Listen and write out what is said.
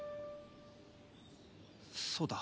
そうだ。